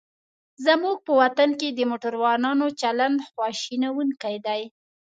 زموږ په وطن کې د موټروانانو چلند خواشینوونکی دی.